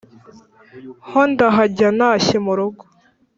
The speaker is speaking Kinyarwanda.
ho ndahajya ntashye murugo